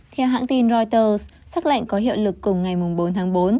theo hãng tin reuters xác lệnh có hiệu lực cùng ngày bốn tháng bốn